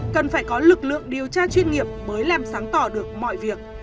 cần phải có lực lượng điều tra chuyên nghiệp mới làm sáng tỏ được mọi việc